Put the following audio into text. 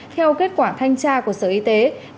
theo kết quả thanh tra của sở y tế